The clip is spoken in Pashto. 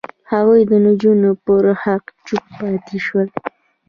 هغوی د نجونو پر حق چوپ پاتې شول.